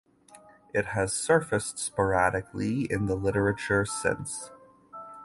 It has surfaced sporadically in the literature since.